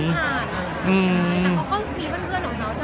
แต่เค้าก็มีเพื่อนเหรอนะ